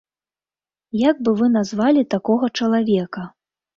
Як бы вы назвалі такога чалавека?